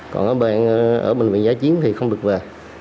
còn ở bệnh viện giá chiến thì không được về